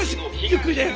ゆっくりでええ。